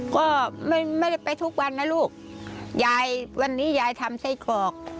ก็ไม่ได้ไปทุกวันนะลูกยายวันนี้ยายทำไส้กรอก